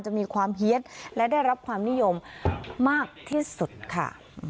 มีความเฮียดและได้รับความนิยมมากที่สุดค่ะ